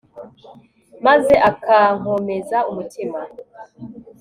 maze akankomeza umutima